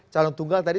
calon tunggal tadi